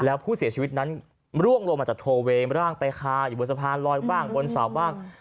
แล้วผู้เสียชีวิตนั้นร่วงลงมาจากโทเวมร่างไปคาอยู่บนสะพานลอยบ้างบนเสาบ้าง